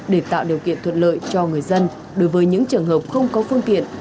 để tạo điều kiện thuận lợi cho người dân đối với những trường hợp không có phương tiện